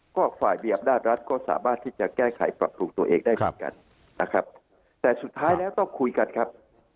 ก็ฝ่ายมีอำนาจรัฐก็สามารถที่จะแก้ไขปรับปรุงตัวเองได้เหมือนกันนะครับแต่สุดท้ายแล้วต้องคุยกันครับ